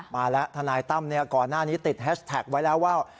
มาแล้วทนายตั้มก่อนหน้านี้ติดแฮชแท็กไว้แล้วว่า